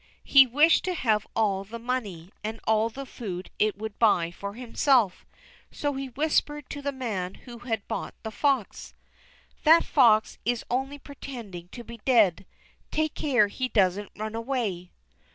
He wished to have all the money, and all the food it would buy for himself, so he whispered to the man who had bought the fox: "That fox is only pretending to be dead; take care he doesn't run away."